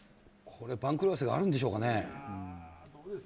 番狂わせがあるんでしょうかね。